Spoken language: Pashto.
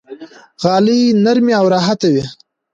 غالۍ نرمې او راحته وي.